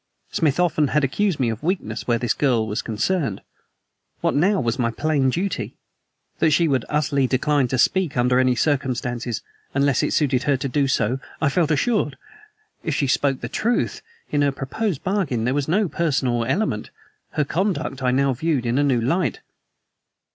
Smith often had accused me of weakness where this girl was concerned. What now was my plain duty? That she would utterly decline to speak under any circumstances unless it suited her to do so I felt assured. If she spoke the truth, in her proposed bargain there was no personal element; her conduct I now viewed in a new light.